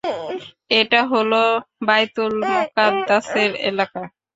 এটা হলো বায়তুল মুকাদ্দাসের এলাকা।